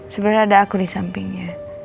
sebenarnya ada aku di sampingnya